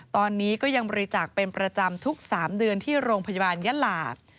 ตอนนี้ก็ยังบริจาคเป็นประจำทุก๓เดือนที่โรงพยาบาลยะหลาก